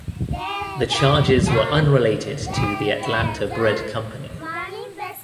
The charges were unrelated to the Atlanta Bread Company.